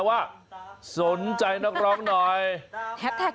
น่าจะอย่างนั้น